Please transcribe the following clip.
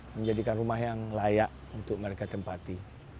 menjadikan rumah yang layak untuk mereka tempati